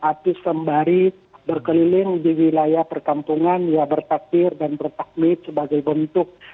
api sembari berkeliling di wilayah perkampungan ya bertakbir dan bertakmit sebagai bentuk